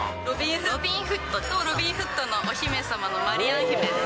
ロビンフットとロビンフットのお姫様のマリアン姫です。